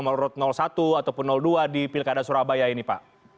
ataupun dua di pilkada surabaya ini pak